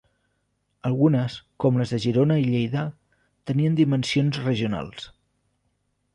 Algunes, com les de Girona i Lleida, tenien dimensions regionals.